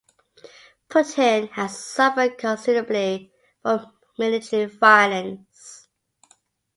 Putten has suffered considerably from military violence.